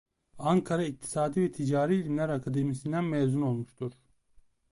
Ankara İktisadi ve Ticari İlimler Akademisi'nden mezun olmuştur.